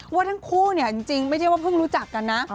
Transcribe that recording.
ว่าทั้งคู่จริงไม่ได้ว่าเพิ่งรู้จักกันนะ